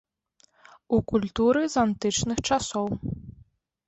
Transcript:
У культуры з антычных часоў.